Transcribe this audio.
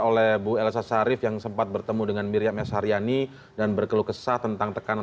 oleh bu elsa sharif yang sempat bertemu dengan miriam s haryani dan berkeluh kesah tentang tekanan